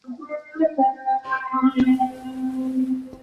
নাবিকেরা তাদের জাহাজের প্রসঙ্গে এই শব্দগুলো ব্যবহার করে থাকে।